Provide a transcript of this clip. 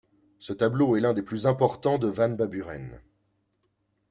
Ce tableau est l’un des plus importants de Van Baburen.